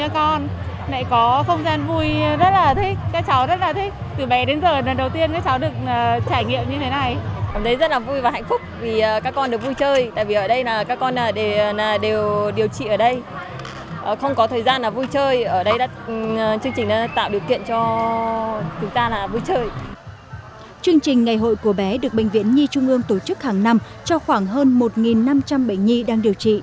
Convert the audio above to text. chương trình ngày hội của bé được bệnh viện nhi trung ương tổ chức hàng năm cho khoảng hơn một năm trăm linh bệnh nhi đang điều trị